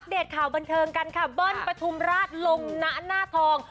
เดตข่าวบันเทิงกันค่ะเบิ้ลปฐุมราชลงนะหน้าทอง